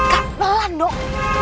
kak pelan dok